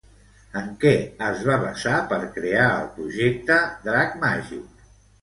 En què es va basar per crear el projecte Drac Màgic?